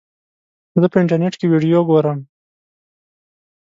زه په انټرنیټ کې ویډیو ګورم.